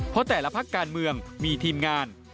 เพราะแต่ละพักการเมืองมีทีมงาน